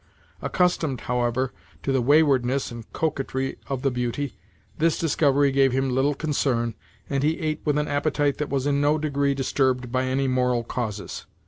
Accustomed, however, to the waywardness and coquetry of the beauty, this discovery gave him little concern, and he ate with an appetite that was in no degree disturbed by any moral causes.